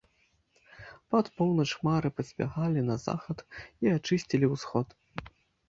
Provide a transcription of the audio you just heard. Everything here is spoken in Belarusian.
Пад поўнач хмары пазбягалі на захад і ачысцілі ўсход.